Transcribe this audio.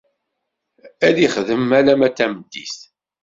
Ad ixdem alamma d tameddit.